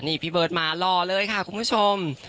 นี่พี่เบิร์ตมารอเลยค่ะคุณผู้ชม